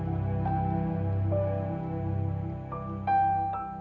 apa harus bagus rivals kan